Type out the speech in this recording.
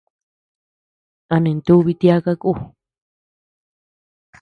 A nintubii tiaka kú.